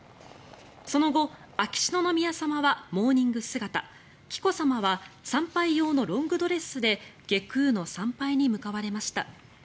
その後秋篠宮さまはモーニング姿紀子さまは参拝用のロングドレスで外宮の参拝に向かわれました。